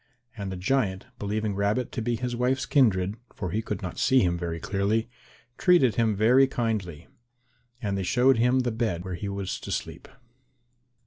And the giant, believing Rabbit to be his wife's kindred, for he could not see him very clearly, treated him very kindly. And they showed him the bed where he was to sleep.